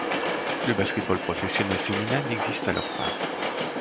Le basket-ball professionnel féminin n'existe alors pas.